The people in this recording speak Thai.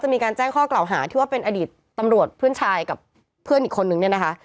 มีการแจ้งข้อกล่าวหาที่ว่าเป็นอดีตตำรวจเพื่อนชายกับเพื่อนอีกคนนึงเนี่ยนะคะ